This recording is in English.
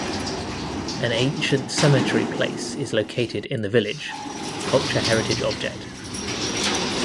An ancient cemetery place is located in the village (culture heritage object).